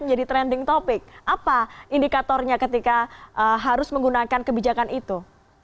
menjadi trending topic apa indikatornya ketika harus menggunakan kebijakan itu